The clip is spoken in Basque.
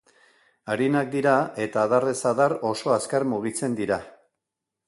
Arinak dira eta adarrez-adar oso azkar mugitzen dira.